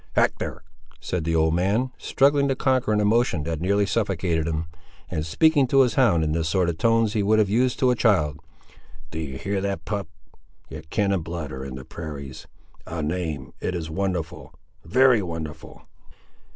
"Hector!" said the old man, struggling to conquer an emotion that nearly suffocated him, and speaking to his hound in the sort of tones he would have used to a child, "do ye hear that, pup! your kin and blood are in the prairies! A name—it is wonderful—very wonderful!"